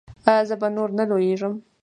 ایا زه به نور نه لویږم؟